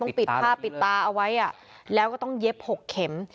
ปิดผ้าปิดตาเอาไว้แล้วก็ต้องเย็บ๖เข็ม